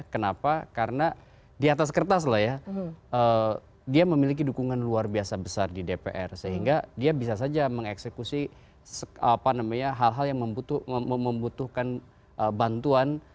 kenapa karena di atas kertas lah ya dia memiliki dukungan luar biasa besar di dpr sehingga dia bisa saja mengeksekusi hal hal yang membutuhkan bantuan